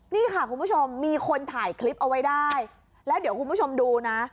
นี่ค่ะคุณผู้ชมมีคนถ่ายคลิปเอาไว้ได้แล้วเดี๋ยวคุณผู้ชมดูนะ